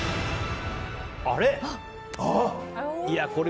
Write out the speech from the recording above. あれ？